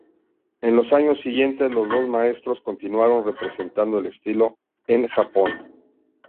En los años siguientes los dos maestros continuaron representando el estilo en Japón.